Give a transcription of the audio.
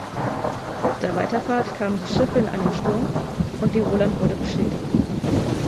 Auf der Weiterfahrt kamen die Schiffe in einen Sturm und die "Roland" wurde beschädigt.